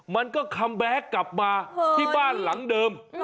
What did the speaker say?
มันก็คัมแบ็คกลับมาที่บ้านหลังเดิม